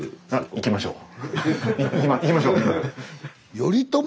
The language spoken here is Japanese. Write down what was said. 行きましょう。